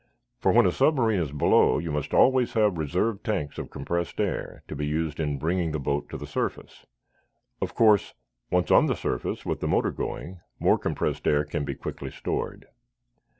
For, when a submarine is below, you must always have reserve tanks of compressed air to be used in bringing the boat to the surface. Of course, once on the surface, with the motor going, more compressed air can be quickly stored."